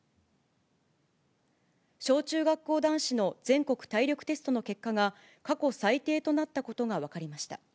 小中学校男子の全国体力テストの結果が、過去最低となったことが分かりました。